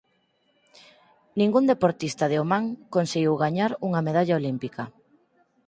Ningún deportista de Omán conseguiu gañar unha medalla olímpica.